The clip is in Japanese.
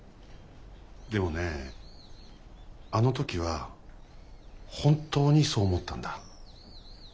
でもねあの時は本当にそう思ったんだ。